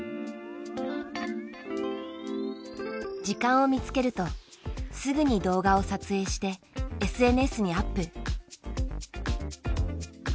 時間を見つけるとすぐに動画を撮影してＳＮＳにアップ。